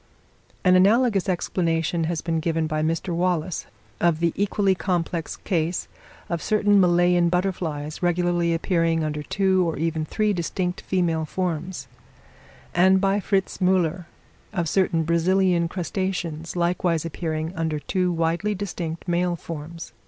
An analogous explanation has been given by Mr. Wallace, of the equally complex case, of certain Malayan butterflies regularly appearing under two or even three distinct female forms; and by Fritz Müller, of certain Brazilian crustaceans likewise appearing under two widely distinct male forms.